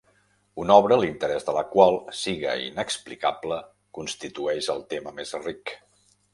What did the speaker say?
Una obra l'interès de la qual siga inexplicable constitueix el tema més ric